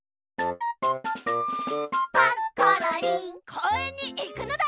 こうえんにいくのだ！